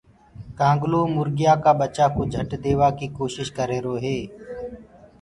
ڪآنگلآ مُريآ ڪآ ٻچآ ڪوُ جھٽ ديوآ ڪي ڪوشش ڪر رهيرو هي۔